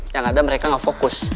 yang ada mereka nggak fokus